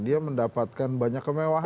dia mendapatkan banyak kemewahan